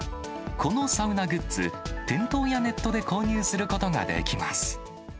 このサウナグッズ、店頭やネットで購入することがえできます。